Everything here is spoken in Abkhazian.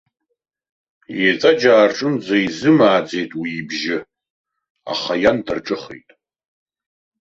Еҵәаџьаа рҿынӡа изымааӡеит уи ибжьы, аха иан дарҿыхеит.